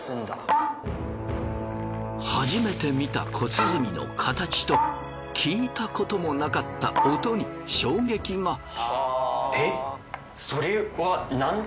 初めて見た小鼓の形と聞いたこともなかった音に衝撃が。